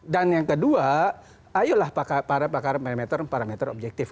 dan yang kedua ayolah para para parameter parameter objektif